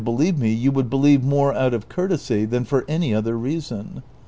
believe me, you would believe more out of courtesy than for any other reason.